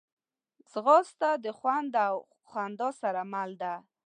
ځغاسته د خوند او خندا سره مل ده